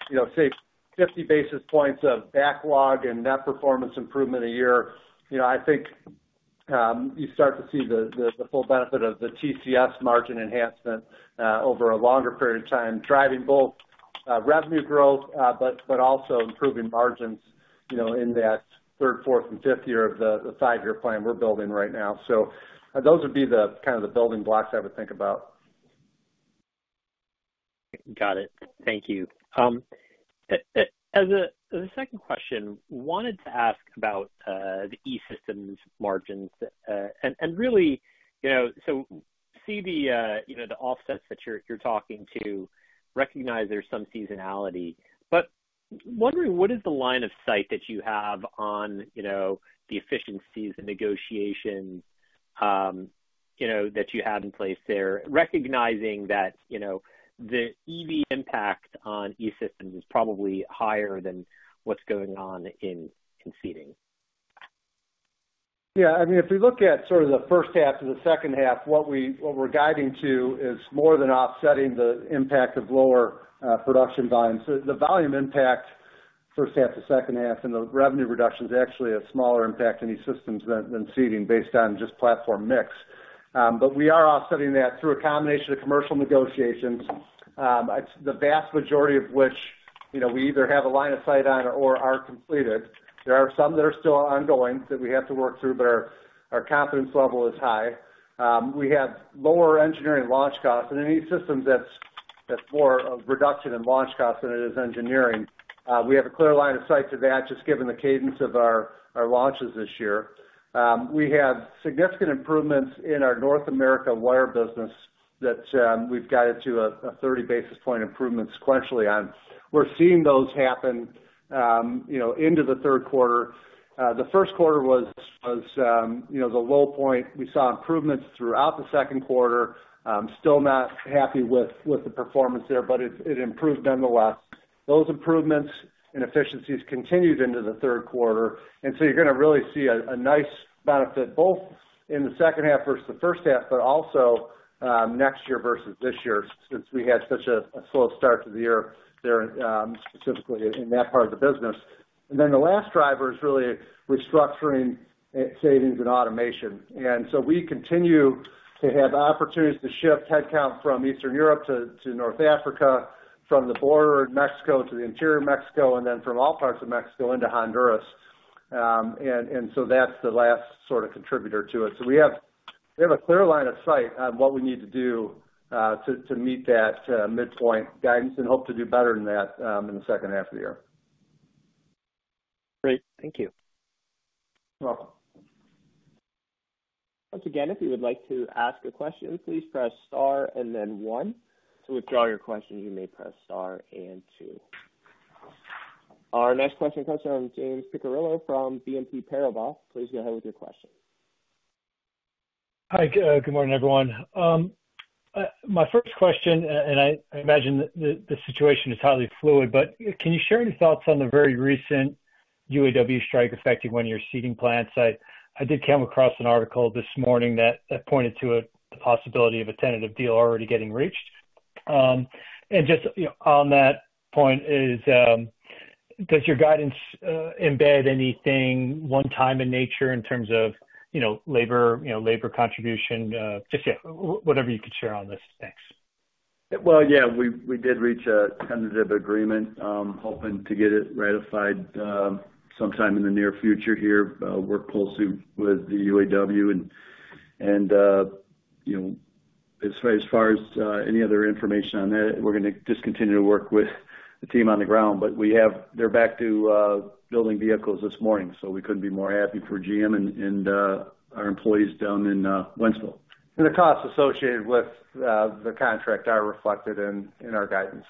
you know, say, 50 basis points of backlog and net performance improvement a year, you know, I think, you start to see the full benefit of the TCS margin enhancement over a longer period of time, driving both revenue growth, but also improving margins, you know, in that third, fourth, and fifth year of the five-year plan we're building right now. So those would be the kind of the building blocks I would think about. Got it. Thank you. As a second question, wanted to ask about the E-Systems margins. And really, you know, so see the offsets that you're talking to, recognize there's some seasonality. But wondering, what is the line of sight that you have on, you know, the efficiencies, the negotiations, you know, that you have in place there, recognizing that, you know, the EV impact on E-Systems is probably higher than what's going on in seating? Yeah, I mean, if we look at sort of the first half to the second half, what we're guiding to is more than offsetting the impact of lower production volumes. So the volume impact, first half to second half, and the revenue reduction is actually a smaller impact in these systems than seating, based on just platform mix. But we are offsetting that through a combination of commercial negotiations. It's the vast majority of which, you know, we either have a line of sight on or are completed. There are some that are still ongoing that we have to work through, but our confidence level is high. We have lower engineering launch costs, and in these systems, that's more of a reduction in launch costs than it is engineering. We have a clear line of sight to that, just given the cadence of our launches this year. We have significant improvements in our North America wire business that we've guided to a 30 basis point improvement sequentially on. We're seeing those happen, you know, into the third quarter. The first quarter was, you know, the low point. We saw improvements throughout the second quarter. Still not happy with the performance there, but it improved nonetheless. Those improvements and efficiencies continued into the third quarter, and so you're gonna really see a nice benefit, both in the second half versus the first half, but also next year versus this year, since we had such a slow start to the year there, specifically in that part of the business. And then the last driver is really restructuring, savings and automation. And so we continue to have opportunities to shift headcount from Eastern Europe to North Africa, from the border of Mexico to the interior of Mexico, and then from all parts of Mexico into Honduras. So that's the last sort of contributor to it. So we have a clear line of sight on what we need to do to meet that midpoint guidance and hope to do better than that in the second half of the year. Great. Thank you. You're welcome. Once again, if you would like to ask a question, please press star and then one. To withdraw your question, you may press star and two. Our next question comes from James Picariello from BNP Paribas. Please go ahead with your question. Hi, good morning, everyone. My first question, and I imagine the situation is highly fluid, but can you share your thoughts on the very recent UAW strike affecting one of your seating plants? I did come across an article this morning that pointed to the possibility of a tentative deal already getting reached. And just, you know, on that point is, does your guidance embed anything one time in nature in terms of, you know, labor, you know, labor contribution? Just, yeah, whatever you could share on this. Thanks. Well, yeah, we did reach a tentative agreement, hoping to get it ratified sometime in the near future here. Work closely with the UAW and, you know, as far as any other information on that, we're gonna just continue to work with the team on the ground. But we have-- they're back to building vehicles this morning, so we couldn't be more happy for GM and our employees down in Wentzville. And the costs associated with the contract are reflected in our guidance.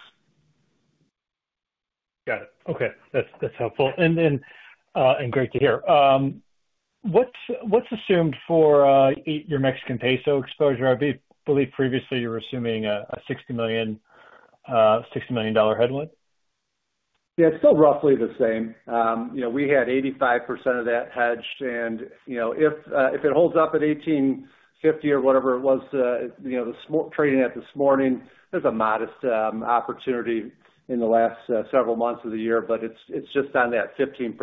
Got it. Okay. That's helpful. And then, great to hear. What's assumed for your Mexican peso exposure? I believe previously you were assuming a $60 million headwind. Yeah, it's still roughly the same. You know, we had 85% of that hedged and, you know, if it holds up at 18.50 or whatever it was, you know, the spot trading this morning, there's a modest opportunity in the last several months of the year. But it's just on that 15%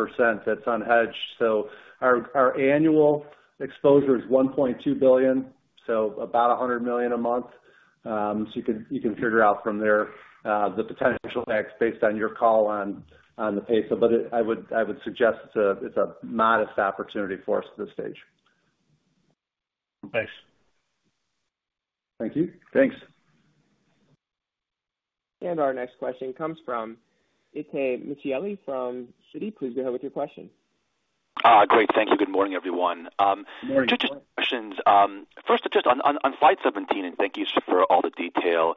that's unhedged. So our annual exposure is $1.2 billion, so about $100 million a month. So you can figure out from there the potential effects based on your call on the peso. But I would suggest it's a modest opportunity for us at this stage. Thanks. Thank you. Thanks. Our next question comes from Itay Michaeli from Citi. Please go ahead with your question. Great. Thank you. Good morning, everyone. Good morning. Two questions. First, just on, on Slide 17, and thank you for all the detail.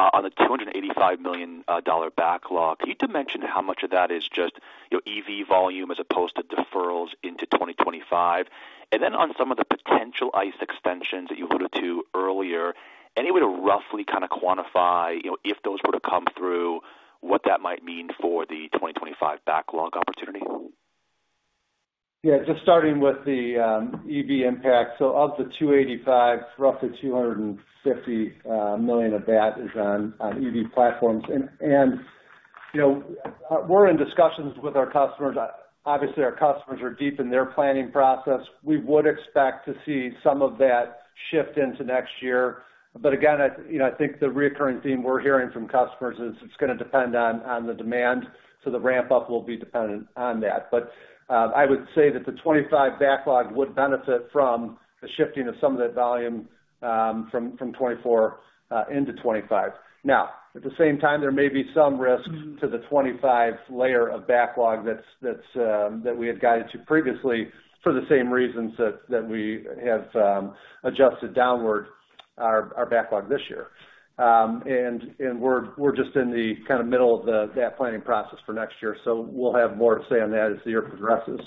On the $285 million dollar backlog, can you dimension how much of that is just your EV volume as opposed to deferrals into 2025? And then on some of the potential ICE extensions that you alluded to earlier, any way to roughly kind of quantify, you know, if those were to come through, what that might mean for the 2025 backlog opportunity? Yeah, just starting with the EV impact. So of the $285 million, roughly $250 million of that is on EV platforms. And you know, we're in discussions with our customers. Obviously, our customers are deep in their planning process. We would expect to see some of that shift into next year. But again, I you know, I think the reoccurring theme we're hearing from customers is it's gonna depend on the demand, so the ramp up will be dependent on that. But I would say that the 2025 backlog would benefit from the shifting of some of that volume from 2024 into 2025. Now, at the same time, there may be some risk to the 25 layer of backlog that's that we had guided to previously for the same reasons that that we have adjusted downward our our backlog this year. And we're just in the kind of middle of that planning process for next year, so we'll have more to say on that as the year progresses.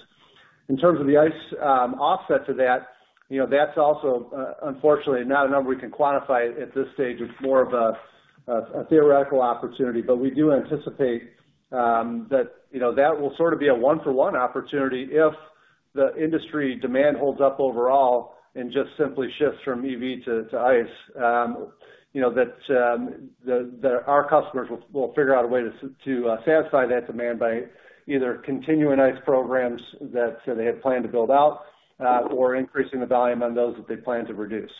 In terms of the ICE offset to that, you know, that's also unfortunately not a number we can quantify at this stage. It's more of a theoretical opportunity, but we do anticipate that you know that will sort of be a one-for-one opportunity if the industry demand holds up overall and just simply shifts from EV to ICE. You know, that our customers will figure out a way to satisfy that demand by either continuing ICE programs that they had planned to build out, or increasing the volume on those that they plan to reduce....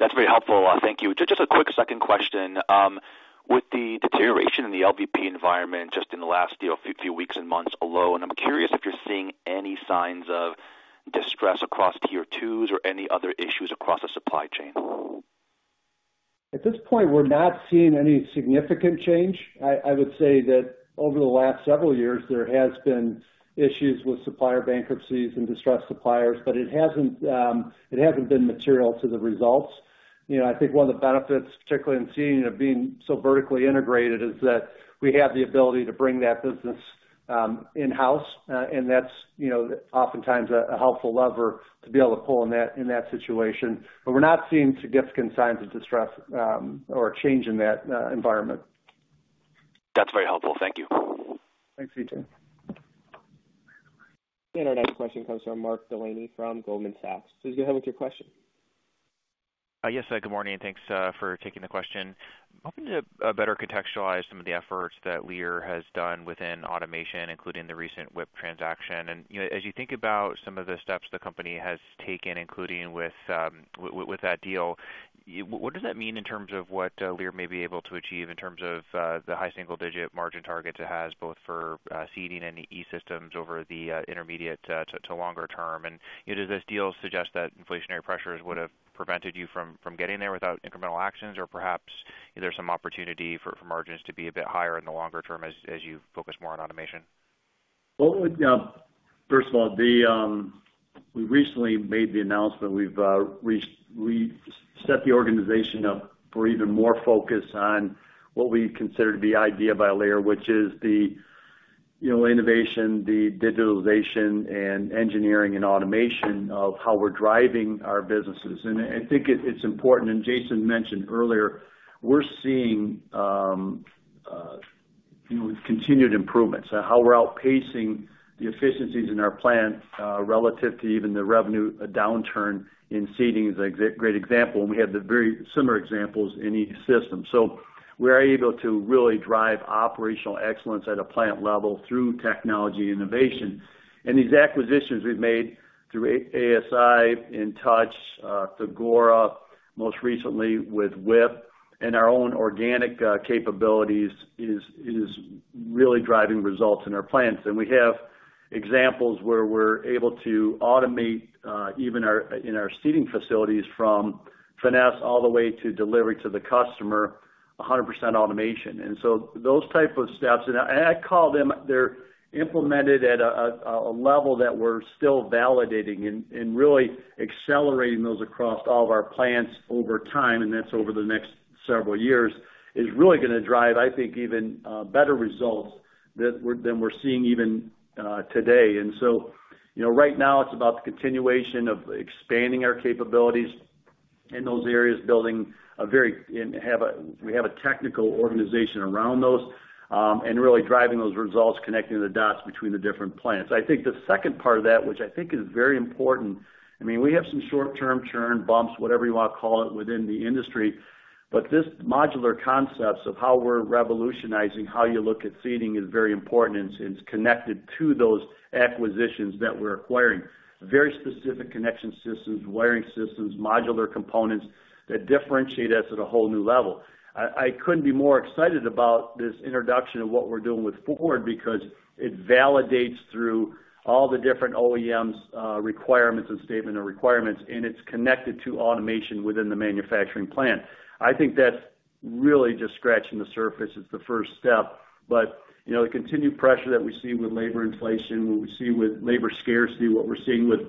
That's very helpful. Thank you. Just, just a quick second question. With the deterioration in the LVP environment just in the last, you know, few, few weeks and months alone, I'm curious if you're seeing any signs of distress across Tier 2s or any other issues across the supply chain? At this point, we're not seeing any significant change. I would say that over the last several years, there has been issues with supplier bankruptcies and distressed suppliers, but it hasn't been material to the results. You know, I think one of the benefits, particularly in seating, of being so vertically integrated, is that we have the ability to bring that business in-house. And that's, you know, oftentimes a helpful lever to be able to pull in that situation. But we're not seeing significant signs of distress or a change in that environment. That's very helpful. Thank you. Thanks, CJ. Our next question comes from Mark Delaney from Goldman Sachs. Please go ahead with your question. Yes, good morning, and thanks for taking the question. Hoping to better contextualize some of the efforts that Lear has done within automation, including the recent WIP transaction. And, you know, as you think about some of the steps the company has taken, including with that deal, what does that mean in terms of what Lear may be able to achieve in terms of the high single digit margin targets it has, both for Seating and E-Systems over the intermediate to longer term? And, you know, does this deal suggest that inflationary pressures would have prevented you from getting there without incremental actions? Or perhaps is there some opportunity for margins to be a bit higher in the longer term as you focus more on automation? Well, you know, first of all, we recently made the announcement. We've reset the organization up for even more focus on what we consider to be IDEA by Lear, which is the, you know, innovation, the digitalization, and engineering and automation of how we're driving our businesses. And I think it's important, and Jason mentioned earlier, we're seeing, you know, continued improvements and how we're outpacing the efficiencies in our plant relative to even the revenue downturn in Seating is a great example, and we have very similar examples in E-Systems. So we are able to really drive operational excellence at a plant level through technology innovation. And these acquisitions we've made through ASI, InTouch, Thagora, most recently with WIP and our own organic capabilities is really driving results in our plants. We have examples where we're able to automate even in our seating facilities, from finish all the way to delivery to the customer, 100% automation. So those type of steps, and I call them, they're implemented at a level that we're still validating and really accelerating those across all of our plants over time, and that's over the next several years, is really gonna drive, I think, even better results than we're seeing even today. So, you know, right now, it's about the continuation of expanding our capabilities in those areas, building a very we have a technical organization around those and really driving those results, connecting the dots between the different plants. I think the second part of that, which I think is very important, I mean, we have some short-term churn, bumps, whatever you want to call it, within the industry, but this modular concepts of how we're revolutionizing how you look at seating is very important, and it's connected to those acquisitions that we're acquiring. Very specific connection systems, wiring systems, modular components that differentiate us at a whole new level. I couldn't be more excited about this introduction of what we're doing with Ford, because it validates through all the different OEMs, requirements and statement of requirements, and it's connected to automation within the manufacturing plant. I think that's really just scratching the surface. It's the first step. You know, the continued pressure that we see with labor inflation, what we see with labor scarcity, what we're seeing with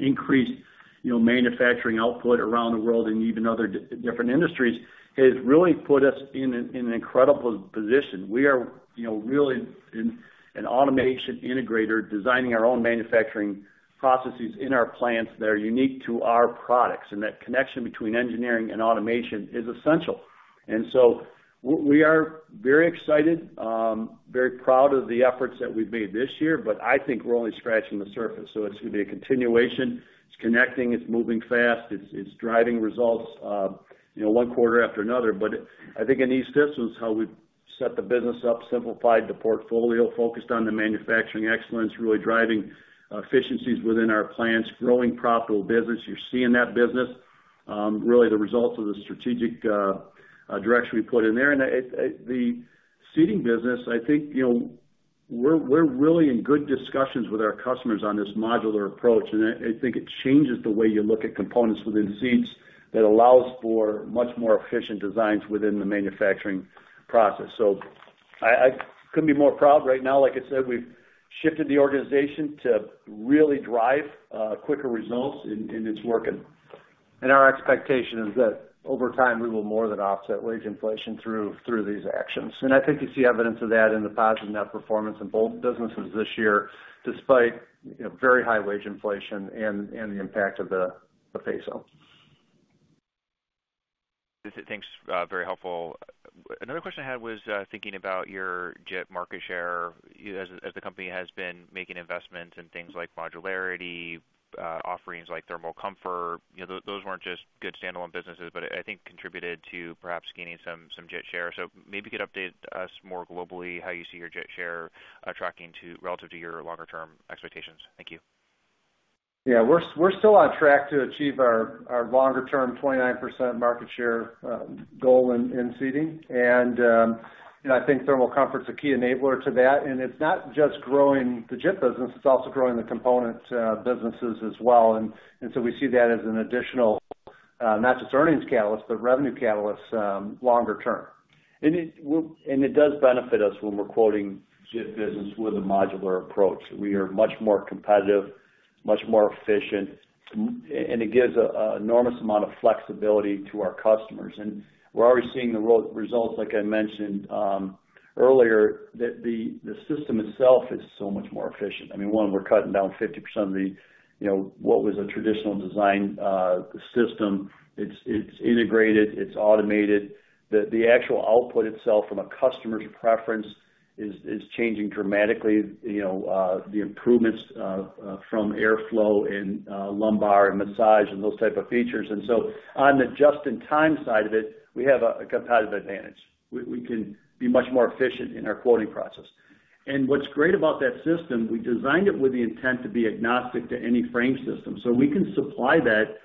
increased, you know, manufacturing output around the world and even other different industries, has really put us in an incredible position. We are, you know, really an automation integrator, designing our own manufacturing processes in our plants that are unique to our products, and that connection between engineering and automation is essential. And so we are very excited, very proud of the efforts that we've made this year, but I think we're only scratching the surface. It's gonna be a continuation. It's connecting, it's moving fast, it's driving results, you know, one quarter after another. But I think in E-Systems, how we've set the business up, simplified the portfolio, focused on the manufacturing excellence, really driving efficiencies within our plants, growing profitable business. You're seeing that business, really the results of the strategic direction we put in there. And it, the seating business, I think, you know, we're really in good discussions with our customers on this modular approach, and I think it changes the way you look at components within seats that allows for much more efficient designs within the manufacturing process. So I couldn't be more proud right now. Like I said, we've shifted the organization to really drive quicker results, and it's working. And our expectation is that over time, we will more than offset wage inflation through these actions. I think you see evidence of that in the positive net performance in both businesses this year, despite, you know, very high wage inflation and the impact of the peso. Thanks, very helpful. Another question I had was, thinking about your seat market share. As, as the company has been making investments in things like modularity, offerings like thermal comfort, you know, those weren't just good standalone businesses, but I think contributed to perhaps gaining some, some seat share. So maybe you could update us more globally, how you see your seat share, tracking relative to your longer-term expectations. Thank you.... Yeah, we're still on track to achieve our longer-term 29% market share goal in seating. And you know, I think thermal comfort's a key enabler to that. And it's not just growing the JIT business, it's also growing the component businesses as well. And so we see that as an additional not just earnings catalyst, but revenue catalyst longer term. And it does benefit us when we're quoting JIT business with a modular approach. We are much more competitive, much more efficient, and it gives an enormous amount of flexibility to our customers. And we're already seeing the results, like I mentioned earlier, that the system itself is so much more efficient. I mean, we're cutting down 50% of what was a traditional design system. It's integrated, it's automated. The actual output itself from a customer's preference is changing dramatically, you know, the improvements from airflow and lumbar and massage and those type of features. And so on the Just-in-Time side of it, we have a competitive advantage. We can be much more efficient in our quoting process. And what's great about that system, we designed it with the intent to be agnostic to any frame system, so we can supply that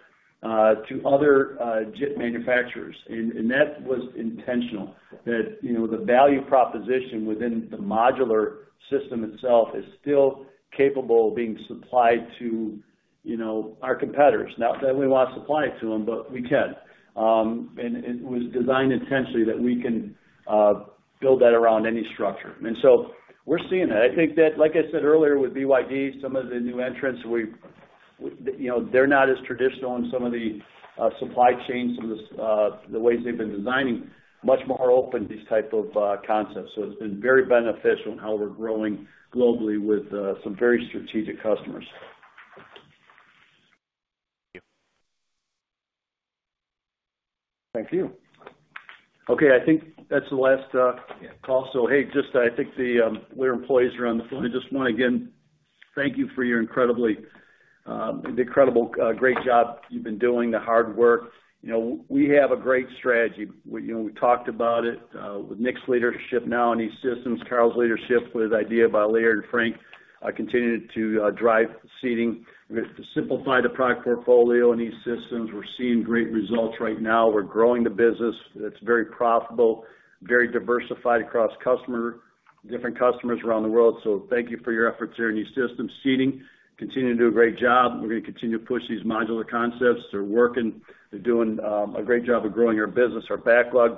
to other JIT manufacturers. And that was intentional, that, you know, the value proposition within the modular system itself is still capable of being supplied to, you know, our competitors. Not that we want to supply it to them, but we can. And it was designed intentionally that we can build that around any structure. And so we're seeing that. I think that, like I said earlier, with BYD, some of the new entrants, we, you know, they're not as traditional on some of the supply chains and the ways they've been designing, much more open, these type of concepts. So it's been very beneficial in how we're growing globally with some very strategic customers. Thank you. Thank you. Okay, I think that's the last call. So, hey, just, I think the Lear employees are on the phone. I just want to, again, thank you for your incredibly, the incredible, great job you've been doing, the hard work. You know, we have a great strategy. We, you know, we talked about it with Nick's leadership now, and E-Systems, Carl's leadership, with IDEA by Lear and Frank continuing to drive seating. We're going to simplify the product portfolio in E-Systems. We're seeing great results right now. We're growing the business. It's very profitable, very diversified across customer, different customers around the world. So thank you for your efforts here in E-Systems seating. Continue to do a great job. We're going to continue to push these modular concepts. They're working. They're doing a great job of growing our business, our backlog.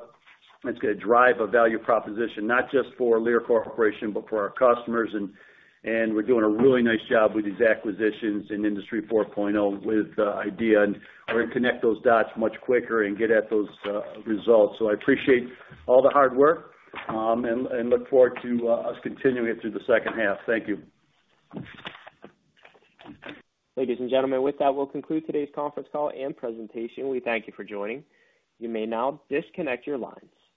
It's going to drive a value proposition, not just for Lear Corporation, but for our customers. We're doing a really nice job with these acquisitions in Industry 4.0 with IDEA, and we're going to connect those dots much quicker and get at those results. So I appreciate all the hard work and look forward to us continuing it through the second half. Thank you. Ladies and gentlemen, with that, we'll conclude today's conference call and presentation. We thank you for joining. You may now disconnect your lines.